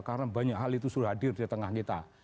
karena banyak hal itu sudah hadir di tengah kita